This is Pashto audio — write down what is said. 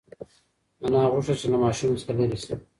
انا غوښتل چې له ماشوم څخه لرې شي.